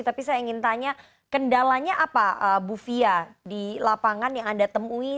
tapi saya ingin tanya kendalanya apa bu fia di lapangan yang anda temui